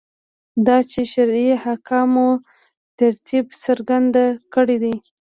دا چې شرعي احکامو ترتیب څرګند کړي.